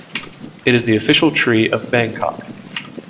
It is the official tree of Bangkok.